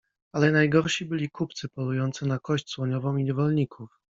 Ale najgorsi byli kupcy polujący na kość słoniową i niewolników.